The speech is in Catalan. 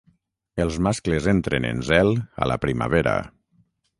Els mascles entren en zel a la primavera.